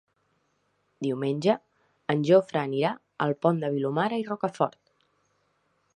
Diumenge en Jofre anirà al Pont de Vilomara i Rocafort.